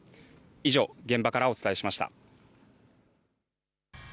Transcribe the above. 以上、現場からお伝えしました。